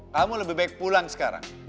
kamu lebih baik pulang sekarang